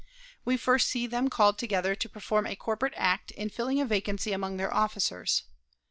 We first see them called together to perform a corporate act in filling a vacancy among their officers.